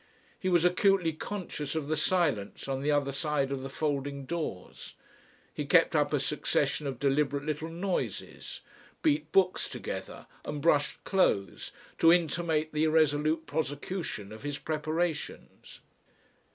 He was acutely conscious of the silence on the other side of the folding doors, he kept up a succession of deliberate little noises, beat books together and brushed clothes, to intimate the resolute prosecution of his preparations.